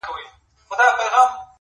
• ستا دپښو سپين پايزيبونه زما بدن خوري.